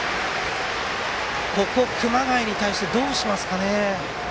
熊谷に対してどうしますかね。